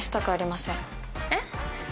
えっ！？